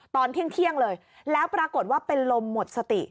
ตอนเที่ยงเลยแล้วปรากฏว่าเป็นลมหมดสติ